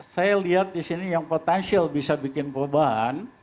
saya lihat di sini yang potensial bisa bikin perubahan